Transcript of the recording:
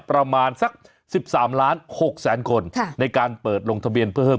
ประมาณสัก๑๓ล้าน๖แสนคนในการเปิดลงทะเบียนเพื่อเพิ่ม